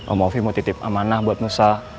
om ovi mau titip amanah buat nusa